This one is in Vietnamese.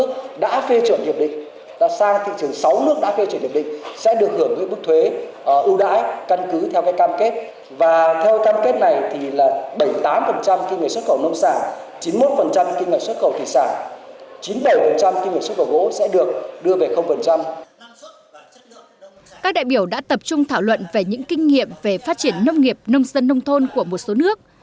các đại biểu đã tập trung thảo luận về những kinh nghiệm về phát triển nông nghiệp nông dân nông thôn của một số nước